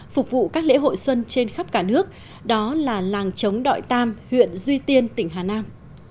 phục vụ các lễ hội xuân trên khắp cả nước đó là làng trống đội tam huyện duy tiên tỉnh hà nam